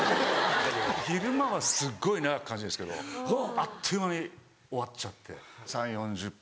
昼間はすごい長く感じるんですけどあっという間に終わっちゃって３０４０分。